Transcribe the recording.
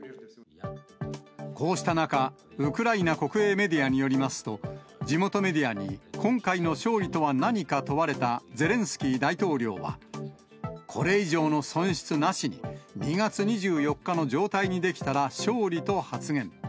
こうした中、ウクライナ国営メディアによりますと、地元メディアに今回の勝利とは何か問われたゼレンスキー大統領は、これ以上の損失なしに、２月２４日の状態にできたら勝利と発言。